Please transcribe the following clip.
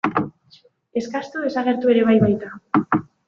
Eskastu desagertu ere bai baita.